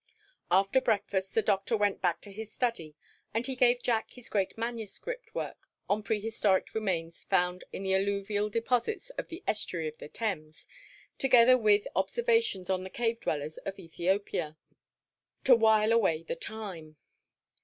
After breakfast the Doctor went back to his study and he gave Jack his great manuscript work on "Prehistoric Remains found in the Alluvial Deposit of the Estuary of the Thames, together with Observations on the Cave dwellers of Ethiopia," to while away the time.